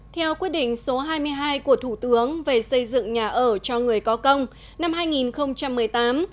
theo quyết định số hai mươi hai của thủ tướng về xây dựng nhà ở cho người có công năm hai nghìn một mươi tám